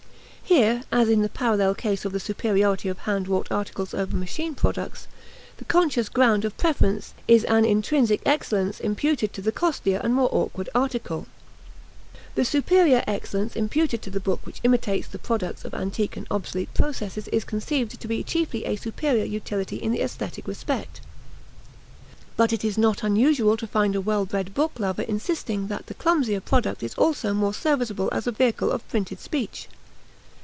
Here, as in the parallel case of the superiority of hand wrought articles over machine products, the conscious ground of preference is an intrinsic excellence imputed to the costlier and more awkward article. The superior excellence imputed to the book which imitates the products of antique and obsolete processes is conceived to be chiefly a superior utility in the aesthetic respect; but it is not unusual to find a well bred book lover insisting that the clumsier product is also more serviceable as a vehicle of printed speech.